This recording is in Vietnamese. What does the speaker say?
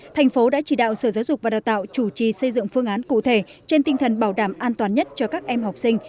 thành phố đã chỉ đạo sở giáo dục và đào tạo chủ trì xây dựng phương án cụ thể trên tinh thần bảo đảm an toàn nhất cho các em học sinh